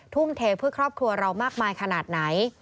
ทุ่มเทเพื่อครอบครัวเรามากมายขนาดไหน